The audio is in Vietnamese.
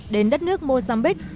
đến đất nước mozambique